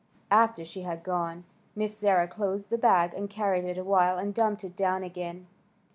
After she had gone, Miss Sarah closed the bag and carried it a while and dumped it down again.